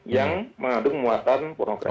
yang mengandung muatan pornografi